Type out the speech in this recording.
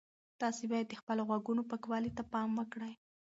تاسي باید د خپلو غوږونو پاکوالي ته پام وکړئ.